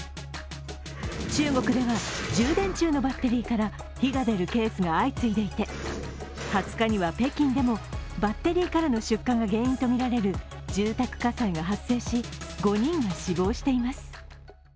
中国では充電中のバッテリーから火が出るケースが相次いでいて、２０日には北京でもバッテリーからの出火が原因とみられる住宅火災が発生し、５人が死亡しています。